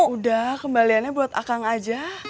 udah kembaliannya buat akang aja